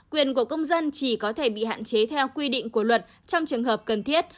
quyền của công dân chỉ có thể bị hạn chế theo quy định của luật trong trường hợp cần thiết